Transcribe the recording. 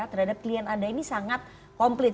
terhadap klien anda ini sangat komplit